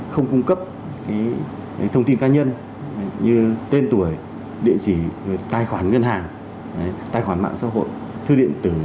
không cung cấp thông tin cá nhân như tên tuổi địa chỉ tài khoản ngân hàng tài khoản mạng xã hội thư điện tử